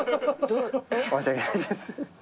申し訳ないです。